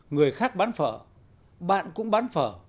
người khác bán phở bạn cũng bán phở